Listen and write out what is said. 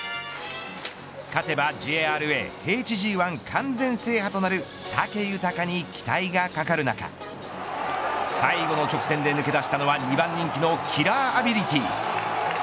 勝てばＪＲＡ平地Ｇ１完全制覇となる武豊に期待がかかる中最後の直線で抜け出したのは２番人気のキラーアビリティ。